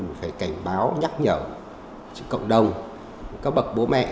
chúng ta phải cảnh báo nhắc nhở cho cộng đồng các bậc bố mẹ